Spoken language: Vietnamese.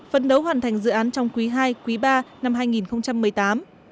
phấn đấu hoàn thành dự án trong quý ii quý iii năm hai nghìn một mươi tám